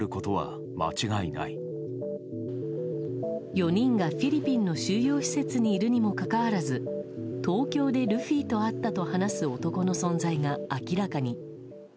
４人がフィリピンの収容施設にいるにもかかわらず東京でルフィと会ったと話す男の存在が明らかに。